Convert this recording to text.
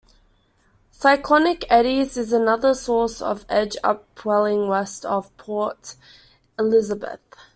Cyclonic eddies is another source of edge upwelling west of Port Elisabeth.